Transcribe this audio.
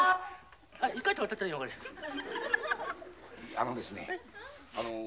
あのですねあの。